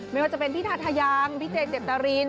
ไม่ว่าจะเป็นพี่ทาทายังพี่เจเจตริน